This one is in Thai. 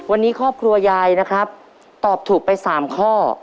วันนี้ครอบครัวยายนะครับตอบถูกไป๓ข้อ